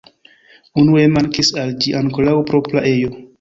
Unue mankis al ĝi ankoraŭ propra ejo.